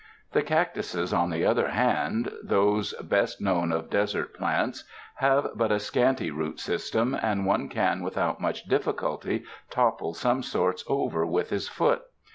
The cactuses, on the other hand, those best known of desert plants, have but a scanty root system, and one can without much diflficulty topple some sorts over with his foot.